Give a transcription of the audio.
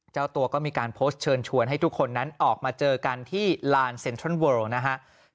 เจ้าตัวก็มีการโพสต์เชิญชวนให้ทุกคนนั้นออกมาเจอกันที่ลานเซ็นทรัลเวิลล์นะครับ